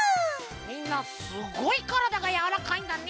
みんなすごいからだがやわらかいんだね。